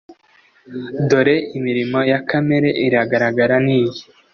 dore imirimo ya kamere iragaragara ni iyi